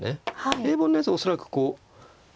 平凡なやつは恐らくこう。